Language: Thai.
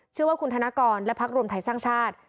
ชื่อว่าคุณธนกรและพักรวมไทยสร้างชาติ